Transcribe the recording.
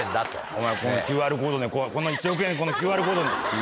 「お前ＱＲコードにこの１億円このＱＲコードに！」。